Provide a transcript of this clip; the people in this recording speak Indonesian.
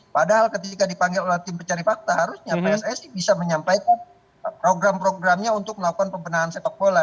padahal ketika dipanggil oleh tim pencari fakta harusnya pssi bisa menyampaikan program programnya untuk melakukan pembenahan sepak bola